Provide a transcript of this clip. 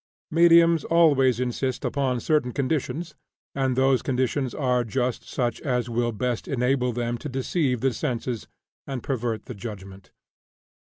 Mediums always insist upon certain conditions, and those conditions are just such as will best enable them to deceive the senses and pervert the judgment.